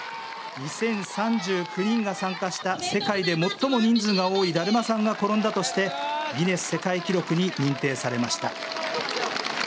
２０３９人が参加した世界で最も人数が多いだるまさんが転んだとしてギネス世界記録に認定されました。